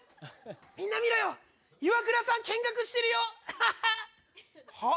みんな見ろよ、イワクラさん見学してるよ。ははっ。はっ？